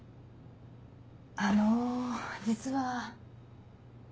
あの実は。